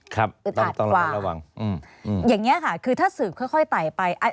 ครับต้องระวังอย่างนี้ค่ะคือถ้าสืบค่อยไต่ไป